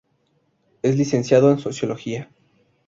Es licenciado en Sociología.